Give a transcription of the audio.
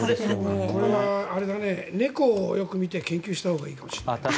これは猫をよく見て研究したほうがいいかもしれない。